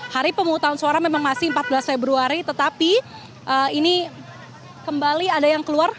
hari pemutusan suara memang masih empat belas februari tetapi ini kembali ada yang keluar